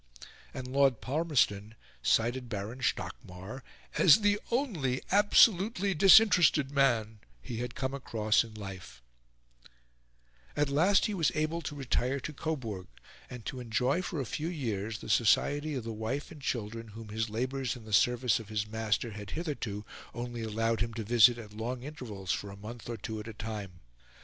And Lord Palmerston cited Baron Stockmar as the only absolutely disinterested man he had come across in life, At last he was able to retire to Coburg, and to enjoy for a few years the society of the wife and children whom his labours in the service of his master had hitherto only allowed him to visit at long intervals for a month or two at a time.